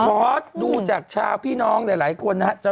ขอดูจากชาวพี่น้องหลายคนนะฮะ